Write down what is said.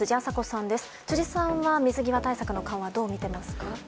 辻さんは水際対策の緩和をどう見ていますか。